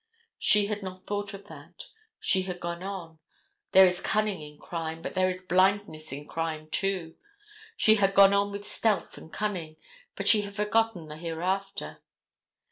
She had not thought of that. She had gone on. There is cunning in crime, but there is blindness in crime, too. She had gone on with stealth and cunning, but she had forgotten the hereafter.